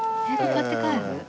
買って帰る？